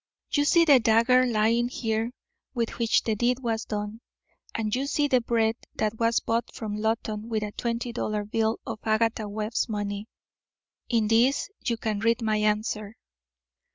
"You see the dagger lying here with which the deed was done, and you see the bread that was bought from Loton with a twenty dollar bill of Agatha Webb's money. In these you can read my answer."